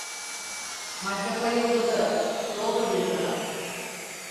Maşrapayı uzatarak: "Doldur bir daha!"